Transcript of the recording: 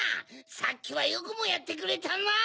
さっきはよくもやってくれたな？